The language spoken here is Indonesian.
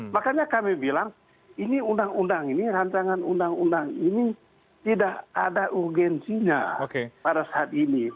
makanya kami bilang ini undang undang ini rancangan undang undang ini tidak ada urgensinya pada saat ini